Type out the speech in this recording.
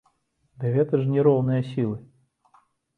Дык гэта ж не роўныя сілы!